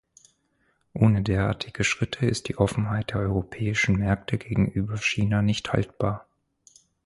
Ohne derartige Schritte ist die Offenheit der europäischen Märkte gegenüber China nicht haltbar.